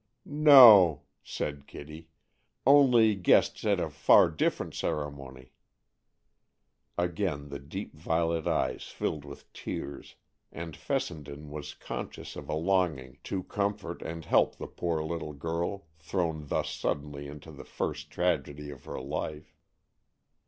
"No," said Kitty; "only guests at a far different ceremony." Again the deep violet eyes filled with tears, and Fessenden was conscious of a longing to comfort and help the poor little girl thrown thus suddenly into the first tragedy of her life.